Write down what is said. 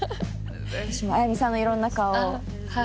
私もあやみさんのいろんな顔を。